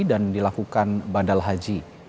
dan dilakukan bandal haji